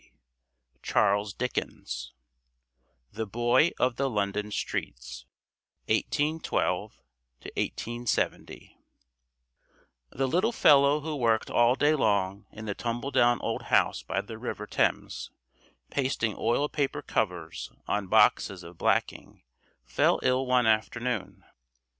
XX Charles Dickens The Boy of the London Streets: 1812 1870 The little fellow who worked all day long in the tumble down old house by the river Thames pasting oil paper covers on boxes of blacking fell ill one afternoon.